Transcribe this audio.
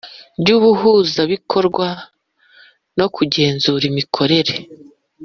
ry Ubuhuzabikorwa no kugenzura imikorere